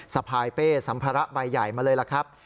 สะพายเป้สัมภาระใบใหญ่มาเลยล่ะครับ